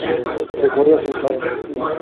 Recuerda su infancia.